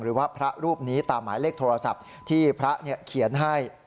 หรือว่าพระรูปนี้ตามหมายเลขโทรศัพท์ที่พระเขียนให้